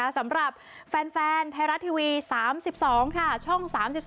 สำหรับแฟนเทราะต์ทีวี๓๒ช่อง๓๒